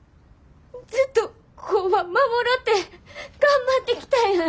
ずっと工場守ろうって頑張ってきたやん。